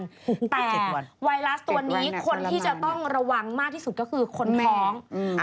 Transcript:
แต่ไวรัสตัวนี้คนที่จะต้องระวังมากที่สุดก็คือคนท้องอืม